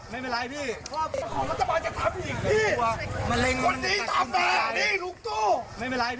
ไม่เป็นไรพี่ครอบครัวเขาตายอ่ะพี่ใครดูแลของเขาอันหนึ่ง